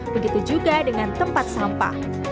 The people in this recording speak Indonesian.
begitu juga dengan tempat sampah